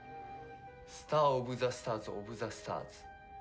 スター・オブ・ザ・スターズオブ・ザ・スターズ。